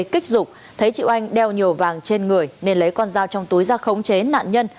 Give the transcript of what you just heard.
kích dục thấy chị oanh đeo nhiều vàng trên người nên lấy con dao trong túi ra khống chế nạn nhân